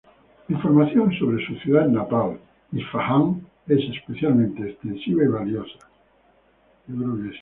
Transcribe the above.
La información sobre su ciudad natal, Isfahán es especialmente extensiva y valiosa.